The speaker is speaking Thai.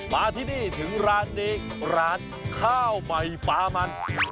มาที่นี่ถึงร้านนี้ร้านข้าวใหม่ปลามัน